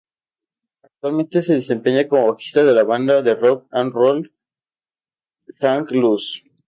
Actualmente se desempeña como bajista de la banda de rock and roll "Hang Loose".